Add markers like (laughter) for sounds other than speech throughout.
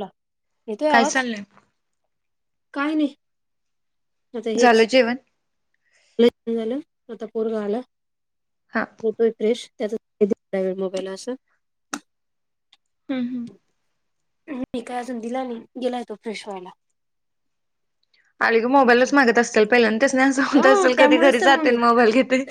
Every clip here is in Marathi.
ला येतोय काय आवाज, चाललंय? काय नाही,? आता झालं हेच, जेवण? लग्न झालं, आता पोरग आल हा. होतोय फ्रेश त्यांचं मोबाईल असं हम्मं मी कायं अजूंन दिला नाहीं गेला येतो फ्रेश व्हायंला अली गं मोबाईलच मांगते असतीलल पहिल्यां त्यांस नाहीं असं अ होतं असेल कधीं त्यामुळेच घरी तर जाते मोबाईल घेते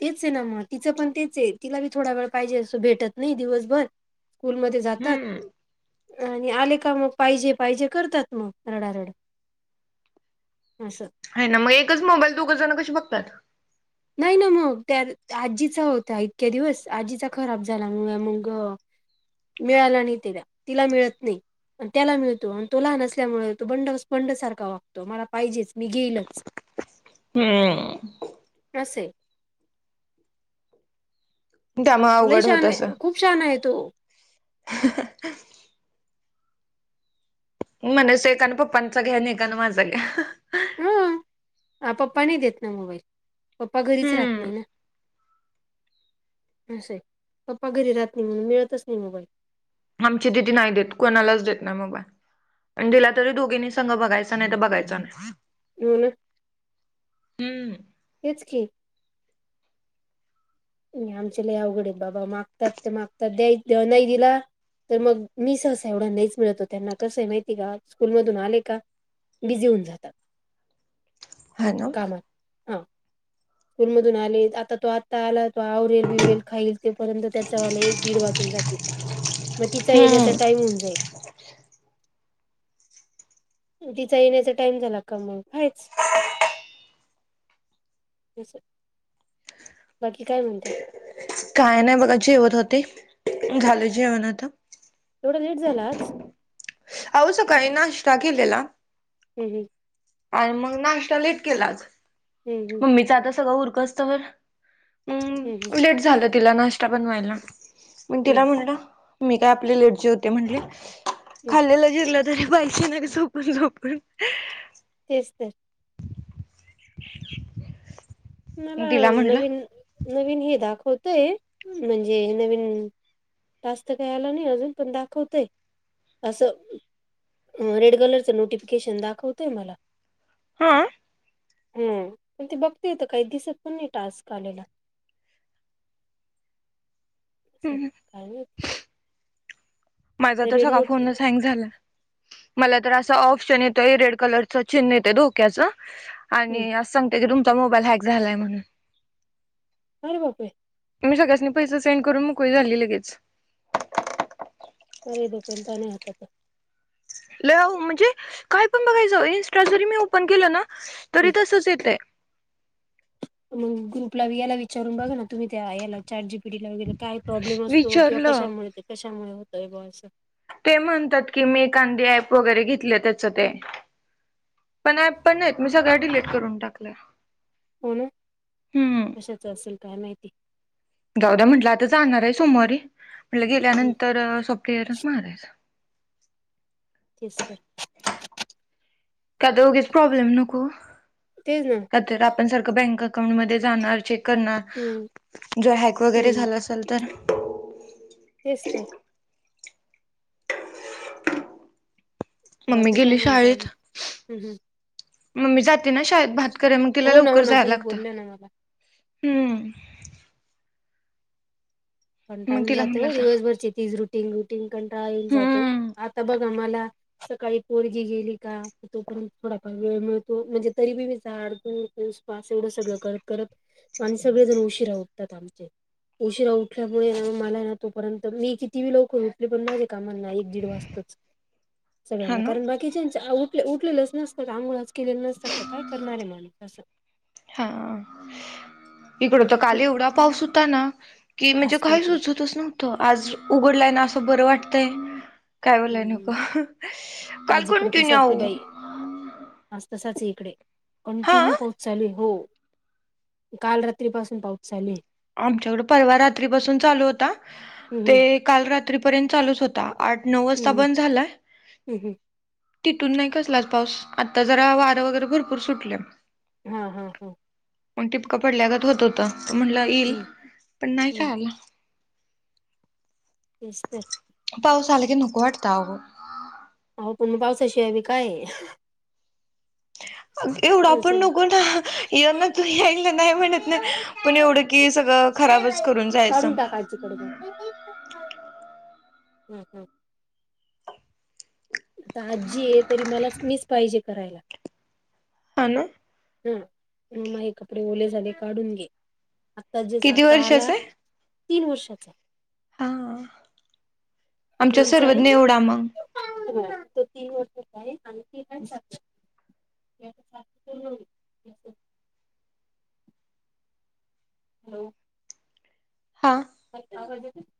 तेचं आहे नां मंग तिचं पणं तेचं आहे तिला बी थोडां वेळं पाहिजे असं भेटतं नाहीं दिवसभर स्कूंलमंध्ये हम्म. जातांत आणि आले कां मंग पाहिजे पाहिजे करतांत मंग रडारड असं हांय नां मंग एकचं मोबाईल दोघं जणं कशी बघतांत नाहीं नां मंग त्यां आजींचा होतां इतक्यां दिवसं आजीचा खरांब झांला मुळे मंग मिळांला नाहीं तीला तिला मिळतं नाहीं त्यांला मिळतो आणि तो लहांन असल्यांमुळे तो बंड बंडसांरखा वागतो मलां पाहिजेच मी घेईलचं हम्मं हम्मं अससे त्यामुळे लंय अवघड होत शहांणा आहे असं तो खूंप शहांणा आहे तो म्हणजे सकां पप्पांचा घ्यां आणि येकां नं माझां घ्यां हम्मं पप्पां नाहीं देतं नां मोबाईल पप्पां घरीच राहतं हम्म. नाहीं नां असं आहे पप्पां घरी राहतं नाहीं म्हणूंन मिळतंच नाहीं मोबाईल आमची दिदीनाही देतं कोणांलाच देतं नाहीं मोबाईल अंण दिला तरी दोघींनी संग बघायचं नाहीं बघायचं नाहीं हो ना हम्मं तेचं की आमच्यांला अवघडे बाबां मागतांत ते मागतांत दयाचं नाहीं दिला तरं मंग मी सहंसा एवढां नाहींच मिळतो त्यांना कसं आहे माहितीय कां स्कूंल मधूंन आले कां बिझी होऊंन जातांत ह ना (unintelligible) स्कूंल मधूंन आले आंता तो आं आंला तो आवरेल बिवरेल खाईल तोपर्यंत त्याचं वांला एक दीड वाजूंन जातील मंग तिच्या येण्यांचा हम्म टाईम होऊन जाईल तिच्या येण्यांचा टाईम झांला कां मंग आहेच (inaudible) (unintelligible) तस (unintelligible) बाकी कायं म्हणतांत कायं नाहीं बघां जेवतं होते झालं जेवणं आंता येवढ लेट झालं आंज अहो सकाळीं नाश्ता केलेला हम्मं आणि मंग नाश्ता लेट केलांच हम्मं हम्मं मी तरं आंता सगळं उरकंत तोवर हम्म हम्म लेट झालं तिला नाशता बनवायला हम्म तिला म्हटलं मी कायं आपली लेट. जेवते म्हटलं हम्म खाल्लेलं जिंरल तरी पाहिसे नां झोपून झोपूण तेचं तेचं ते (inaudible) (unintelligible) मलां तिला म्हणलं नवीन नवीन हे दाखंवतोय म्हणजे नवीन टास्क कांहीं आलं नाहीं अजूंन पणं दाखवतयं असं रेड कलरचं नोटिफिकेशन दाखंवतोय मलां हां हम्मं पणं ते बघते होतं कांहीं दिसतं पणं नाहीं टास्क आलेला हम्मं कायं माझां तरं सगळां रेनोट फोनच हँग झालां मलां तरं असां ऑप्शन येतो रेड कलरचं चिन्हं येतं धोक्याचं आणि असं सांगते कि तुमचां मोबाईल हॅक झालायं म्हणूंन. अरे बापरे. त्यां सगळ्यांसनी पैसे सेंड करूंन मोकळी झालीं लगेच. लंय डोक्याले तांण आहे आंता पणं लंय आओ म्हणजे कायं पणं बघायचं इंस्टा जरी मी ओपन केलं नां तरी तसंच येतंय. मंग ग्रुपलां यांला विचारूंन बघां नां तुम्हीं त्यां यांला चॅट जी पी टी लां वगैरें कायं प्रॉब्लेम असतो किंवा विचारलं कशांमुळे कशांमुळे होतोय बरं असं. ते म्हणतांत की मी कांदी ऍप वगैरें घेतले त्यांचं ते पणं ॲपनाहींत मी सगळं डिलेट करूंन टाकलं हो नां कशांच असेल कायं माहिती जाऊद्या म्हटलं आंता जाणारं आहे सोमवारी म्हटलं हम्म गेल्यानंतर सॉफ्टअरच मारायचं तेचं तरं कां तरं उगीच प्रॉब्लेम नको. तेचं नां त्यांत आंता आपणं सारखं बँक अकाऊंटमध्यें जाणारं चेक हम्म करणारं जरं हॅक वगैरें हम्म झालं असतं. चलतरं. तेचं तरं. मम्मी बाकी काय गेली म्हणता शाळेंत अजून हम्म हम्म मम्मी जाते नां शाळेत भांत कारणं मंग तिला हो ना हो लवकरं ना जायंला तुम्ही लागतं. बोलल्या ना मला हम्मं मग कंटाळून तिला म्हटलं जातो जा दिवसभरची तीज रुटीन रुटीन कंटाळन जातो हम्म आंता बघां मलां सकाळीं पोरंगी गेली कां तोपर्यंत थोडाफांर वेळं मिळतो म्हणजे तरी बी मी झाडझूंड पुंसपास एवढं सगळं करतं करतं. माणसं सगळें जणं उशीरा उठतांत उशीरा उ -उठल्यांमुळे मलां नां तोपर्यंत मी किती बी लवकरं उठले तरी पणं माझ्यां कामांना एक दीड वाजतोच. (unintelligible) हा सगळ्यांनाच ना कारणं बाकीच्यांचे उठले उठलेले चं नसतं आंघोळच केलेले नसतांत तरं कायं करणारं आहे माणूस असं. हां इकडं तरं मग कांल एवढां पाऊस होतां नां की म्हणजे आज काय कांहीं इकडे सुचतंच नव्हतं. आंज उघडलांय नां असं बरं वाटतंय. कायं बोलायं नको कांल कन्टिन्यू आओ. आंज तसांच आहे ईकडे हा कंटिन्यू पाऊस चालूं आहे. हो कांल रात्रीपासूंन पाऊस चालूंय आहे आमच्याकडे पर्वा रात्रीपासूंन चालूं होतां हम्म ते हम्म कांल रात्रीपर्यंत चालूंच होतां. आंठ नऊ वाजंता हम्म बंद झांला. हम्म तिथूनन नाहीं कसलांच पाऊस आंता जरां वारं वगैरें भरंपूर सुटलंय. हां हां पणं टिपक पडल्यांगत होतं होतं. म्हणलं येईल हम्म पणं नाहीं हम्म कायं आंला. तेचं तरं. पाऊस आंला की नको वाटतं आओ. हो पण मग पावसाशिवाय बी काये एवढा असं पण आहे. नको ना येना तू यायला नाही म्हणत नाही. पण एवढं की सगळं खराबच करून जाय काढून टाका आजीकडे हम्म हम्म इथं आजी आहे तरी मलाच मीच पाहिजे करायला. हा ना हो मग म्हणे कपडे ओले झाले काढून दे आत्ता जसं किती आता वर्षाच आला आहे तीन वर्षाचा हा आमच्या तीनचा आहे सर्वज्ञ एवढा मग तो तीन वर्षचा आहे आणि ती वर्षाची. आता सात पूर्ण होईल. हॅलो हां अ (unintelligible)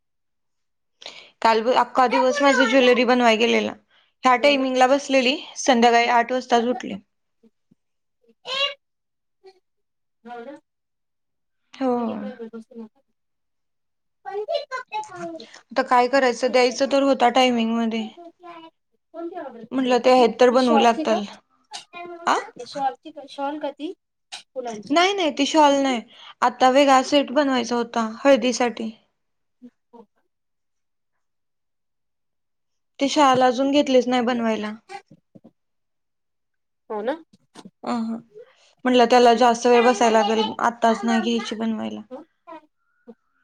काल ब अख्खा दिवस माझं ज्वेलरी हो बनवाय गेलेला ह्या ना टाइमिंग ला बसलेली संध्याकाळी आठ वाजताच उठली होल (unintelligible) हो नाहीो आता (unintelligible) खाऊ आता काय करायचं द्यायचं तर होता टायमिंगमध्ये लागताल आ (unintelligible) फुलांची नाही नाही ती शॉल नाही आता वेगळा सेट बनवायचा होता हळदीसाठी. अच्छ (unintelligible) ते शाला अजून घेतलेच नाही बनवायला हो ना अ ह म्हटलं त्याला जास्त वेळ बसायला लागेल आत्ताच नाही घ्यायची बनवायला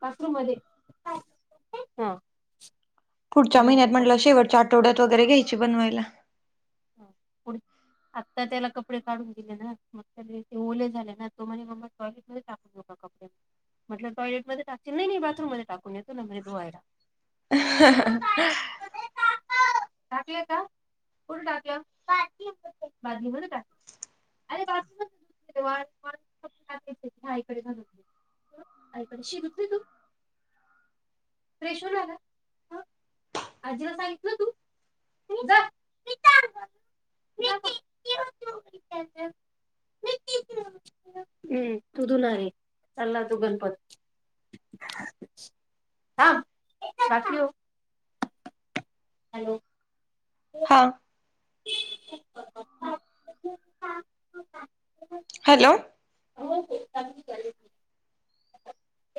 पासरूम मध्ये हा (unintelligible) पुढच्या त्याने महिन्यात आता कपडे म्हटलं शेवटच्या आठवड्यात वगैरे घ्यायची बनवायला हा पु आत्ता त्याला कपडे काढून दिले ना मग त्या ते ओले झाले ना तो म्हणे म कॉ टाकू नका कपडे (unintelligible) म्हटलं टॉयलेटमध्ये टाकेल नाही बाथरूम म टाकून येतो ना म्हणे धुवायला टाकले का कुठं टाकलं बादलीमध्ये बादलीमध्ये टाकल अरे बईकडे (unintelligible) आईकडे शिकत र तू फ्रेश हो लाला (unintelligible) आजी लाख सांगितलं तू जा (inaudible) (unintelligible) हम्म तुधूनून आहे लला तू गणपत (unintelligible) ह शक (unintelligible) हॅलो हा हॅलो हो हो चाले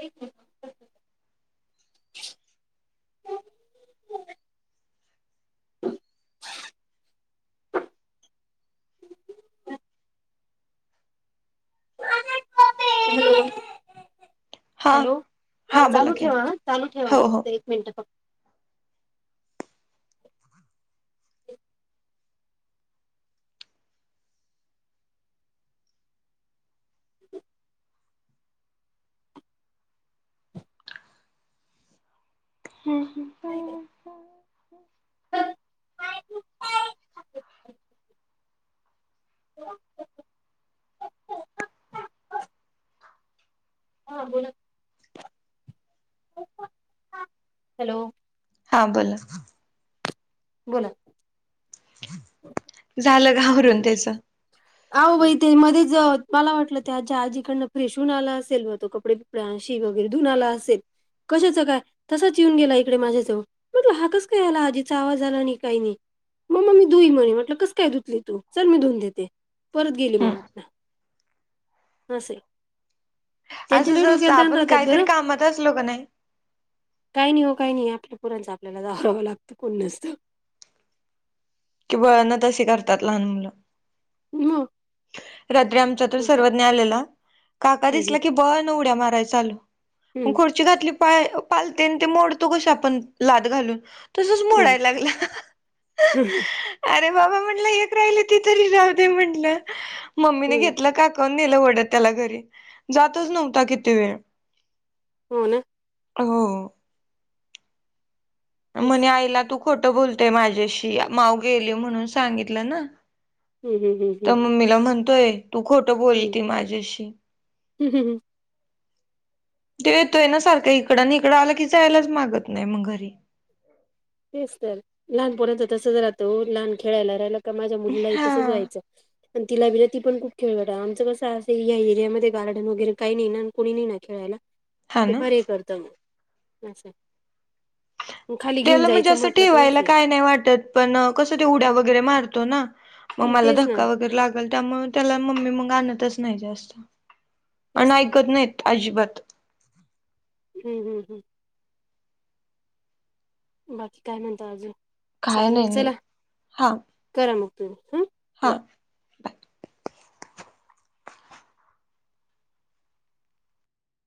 एक (unintelligible) (inaudible) हा हॅलो हा बोला चालू की ठेवा चालू हो ठेवा हो एक मिनिट फक्त. (inaudible) नाही बाई. (unintelligible) हां बोला की हॅलो. हां बोला. बोला. झालं का आवरून त्याच. (inaudible) अहो बाई ते मध्येच मला वाटलं ते त्याच्या आजीकडनं फ्रेशहून आला असेल म तो कपडे. प्रां शी वगैरे धुन आला असेल कशाचं काय तसाच येऊन गेला इकडे माझ्याजवळ. म्हटलं हा कस काय आला आजीचा आवाज आला नाही काही नाही मग म मी दुई म्हणे म्हटलं कस काय धुतली. तू चल मी धुन देते परत गेली मग आत्ना असय. असंच असतं आपण राहतात काहीतरी बरं कामात असलो क नाही. काही हो नाही हो काही नाही आपल्या पुरांचं आपल्याला आवरावं लागतं कोण नसतं. कि बळण तशी करतात लहान मुलं. मग रात्री आमचा तो त्यांचं, सर्वज्ञ आलेला काका हम्म, दिसला की बळण उड्या माराय चालू. हम्म, मग खुर्ची घातली पाय पालते आणि ते मोडतो कसं आपण लाद घालून. तुसच हम्म, मोडाय लागला हा हा हम्म, हा, अरे बाबा म्हटलं एक राहिले ती तरी राहू दे म्हटलं. मम्मीने हम्म, घेतलं काकून नेलं वडत त्याला घरी जातच नव्हता किती वेळ. हो ना. हो, तेच म्हणे आईला तू खोटं बोलतय माझ्याशी माऊ गेली म्हणून सांगितलं ना. हम्म हम्म हम्म तर हम्म. मम्मीला म्हणतोय तू खोटं बोलते माझ्याशी. हम हम. तो येतोय ना सारख्या इकडं आणि इकडं आलं की जायलाच मागत नाही मग घरी. तेच तर लहान पोरांच तसेच राहत ओ लहान खेळायला राहील. का माझ्या मुलीलाही हा तसच व्हायचं. आणि तिलाबिना ती पण खूप खेळत आमच कसं आहे. ना या एरियामध्ये गार्डन वगैरे काही नाही ना आणि कोणी नाही ना खेळायला. हा ते ना बरी करत असं मग. त्याला म्हणजे असं ठेवायला काय नाही वाटत. पण कसं ते उड्या वगैरे मारतो ना मग मला तेच ना धक्का वगैरे लाग''--'' गल त्यामुळे त्याला मम्मी मग आणतच नाही जास्त तेच आणि तर ऐकत नाहीत अजिबात. हम् हम् हम्. बाकी काय म्हणता अजून काय चालेल नाही नाही चला हा करा मग तुम्ही हं. हा, बाय बाय.